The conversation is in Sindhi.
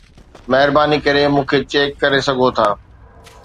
مهرباني ڪري مون کي چيڪ ڪري سگهو ٿا